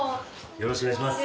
よろしくお願いします。